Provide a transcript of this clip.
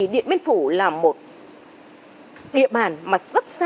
điện biên phủ là một địa bản mà rất xa các căn cứ của chúng ta